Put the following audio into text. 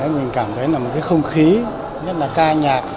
mình cảm thấy là một cái không khí rất là ca nhạc